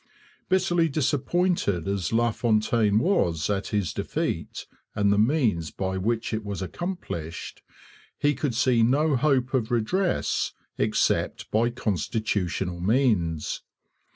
Bitterly disappointed as LaFontaine was at his defeat and the means by which it was accomplished, he could see no hope of redress except by constitutional means.